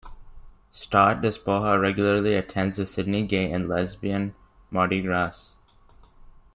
Stott Despoja regularly attends the Sydney Gay and Lesbian Mardi Gras.